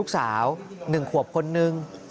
๑ขวบคนนึง